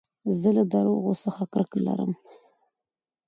زه له درواغو څخه کرکه لرم.